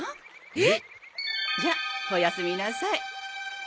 えっ？じゃおやすみなさい。